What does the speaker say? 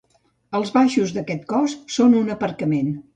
Els baixos d'aquest cos són un aparcament.